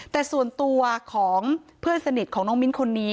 แต่ส่วนตัวของเพื่อนสนิทของน้องมิ้นคนนี้